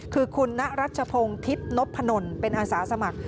คือคุณนรัชพงศ์ทิศนพนลเป็นอาสาสมัคร